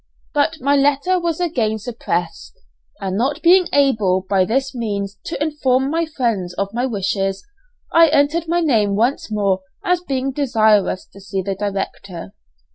But my letter was again suppressed, and not being able by this means to inform my friends of my wishes, I entered my name once more as being desirous to see the director.